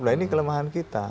nah ini kelemahan kita